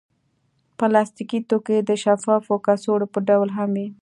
پلاستيکي توکي د شفافو کڅوړو په ډول هم وي.